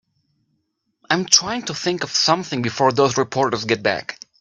I'm trying to think of something before those reporters get back.